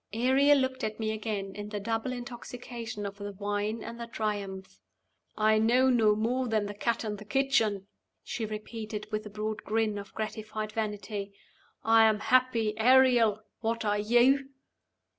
Ariel looked at me again, in the double intoxication of the wine and the triumph. "I know no more than the cat in the kitchen," she repeated, with a broad grin of gratified vanity. "I am 'happy Ariel!' What are you?"